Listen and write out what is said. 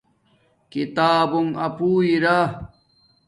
کتابونݣ اپو ارا